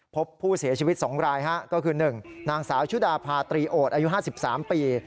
พบผู้เสียชีวิต๒รายก็คือ๑นางสาวชุดาพาตรีโอดอายุ๕๓ปี